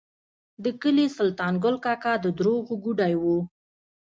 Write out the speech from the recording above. د کلي سلطان ګل کاکا د دروغو ګوډی و.